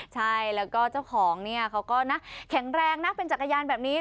ใช่แล้วก็เจ้าของเนี่ยเขาก็นะแข็งแรงนะเป็นจักรยานแบบนี้